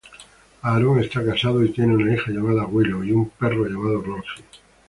Aaron está casado y tiene una hija llamada Willow, y un perro llamado Roxy.